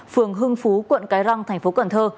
phường hưng phú quận cái răng tp cần thơ